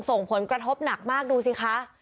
ส่งผลกระทบหนักมากดูสิคะ